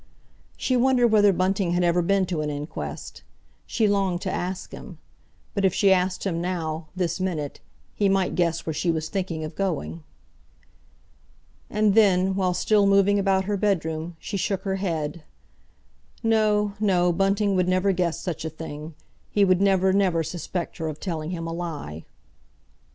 She wondered whether Bunting had ever been to an inquest. She longed to ask him. But if she asked him now, this minute, he might guess where she was thinking of going. And then, while still moving about her bedroom, she shook her head—no, no, Bunting would never guess such a thing; he would never, never suspect her of telling him a lie.